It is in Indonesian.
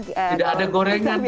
tidak ada gorengan di sini